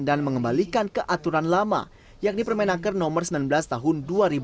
dan mengembalikan keaturan lama yakni permenaker no sembilan belas tahun dua ribu lima belas